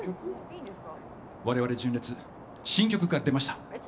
我々、純烈新曲が出ました。